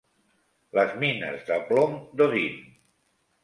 Les mines de plom d'Odin.